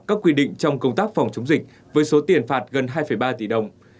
các quy định trong công tác phòng chống dịch với số tiền phạt gần hai ba tỷ đồng